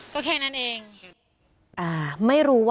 แล้วอันนี้ก็เปิดแล้ว